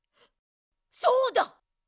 そうだ！